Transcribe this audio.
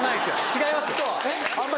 違いますよ。